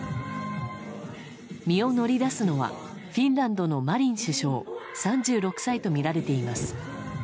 身を乗り出すのはフィンランドのマリン首相３６歳とみられています。